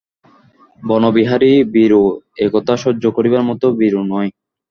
বনবিহারী ভীরু, একথা সহ্য করিবার মতো ভীরু নয়।